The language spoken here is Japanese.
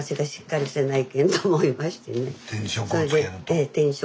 ええ。